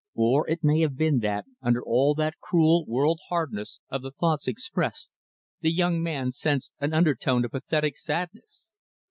Or, it may have been that, under all the cruel, world hardness of the thoughts expressed, the young man sensed an undertone of pathetic sadness.